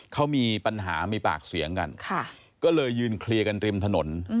เขามีปัญหามีปากเสียงกันก็เลยยืนเคลียร์กันริมถนน